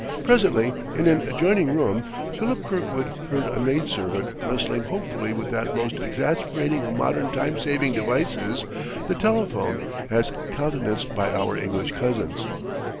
Presently, in an adjoining room, Philip Kirkwood heard a maid servant wrestling hopefully with that most exasperating of modern time saving devices, the telephone as countenanced by our English cousins.